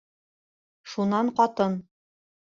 Шунан ҡатын: